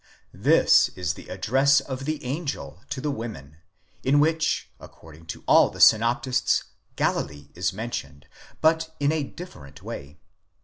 This is the address of the angel to the women, in which according to all the synoptists Galilee is mentioned, but in a different way.